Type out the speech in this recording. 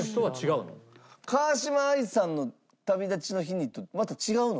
川嶋あいさんの『旅立ちの日に』とまた違うの？